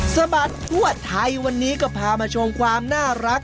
สะบัดทั่วไทยวันนี้ก็พามาชมความน่ารัก